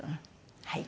はい。